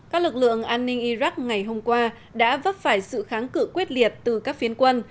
các lực lượng an ninh iraq ngày hôm qua đã vấp phải sự kháng cự quyết liệt từ các phiến quân